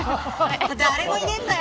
誰もいねえんだよ。